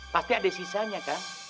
pasti ada sisanya kan